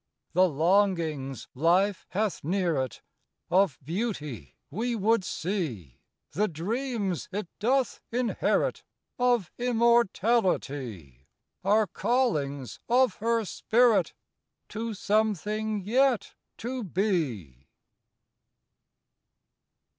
The longing's life hath near it Of beauty we would see; The dreams it doth inherit Of immortality; Are callings of her spirit To something yet to be.